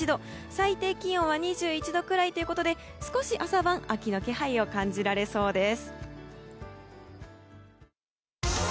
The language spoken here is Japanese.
最低気温は２１度くらいということで少し朝晩、秋の気配を感じられそうです。